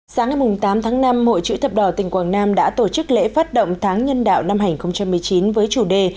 sáng ngày tám tháng năm hội chữ thập đỏ tỉnh quảng nam đã tổ chức lễ phát động tháng nhân đạo năm hai nghìn một mươi chín với chủ đề